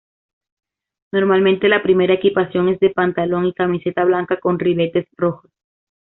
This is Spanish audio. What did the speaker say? Normalmente la primera equipación es de pantalón y camiseta blanca con ribetes rojos.